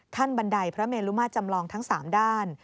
ท่านบันไดพระเมลุมาตรจำลองทั้ง๓ด้าน